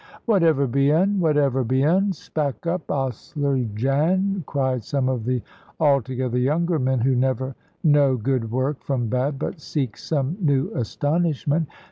"Wuttever be un? wuttever be un? Spak up, Oasler Jan!" cried some of the altogether younger men, who never know good work from bad, but seek some new astonishment.